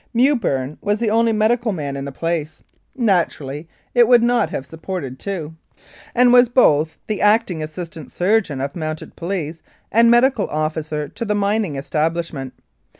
Mewburn was the only medical man in the place 1888. Lethbridge (naturally it would not have supported two !), and was both the acting assistant surgeon of Mounted Police and medical officer to the mining establishment.